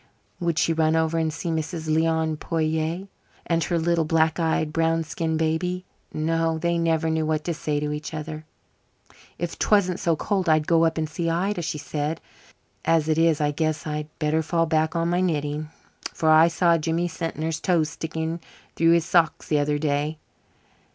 Would she run over and see Mrs. Leon Poirier and her little black eyed, brown skinned baby? No, they never knew what to say to each other. "If 'twasn't so cold I'd go up and see Ida," she said. "As it is, I guess I'd better fall back on my knitting, for I saw Jimmy Sentner's toes sticking through his socks the other day.